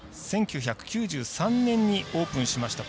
１９９３年にオープンしました